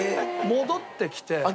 戻ってきて。